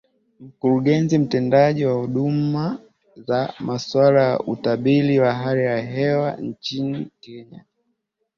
mkurugenzi mtendaji wa huduma za masuala ya utabiri wa hali ya hewa nchini kenya